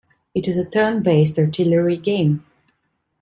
It is a turn-based artillery game.